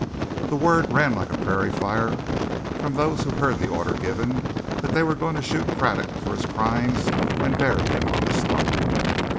The word ran like a prairie fire from those who heard the order given, that they were going to shoot Craddock for his crimes and bury him on the spot.